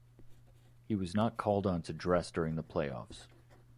He was not called on to dress during the playoffs.